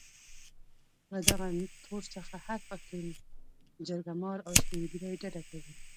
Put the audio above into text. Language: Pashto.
له دغه تور څخه هر پښتون جرګه مار او سپين ږيري ډډه کوي.